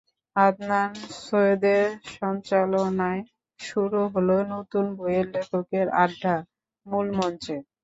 আদনান সৈয়দের সঞ্চালনায় শুরু হলো নতুন বইয়ের লেখকদের আড্ডা, মূল মঞ্চে।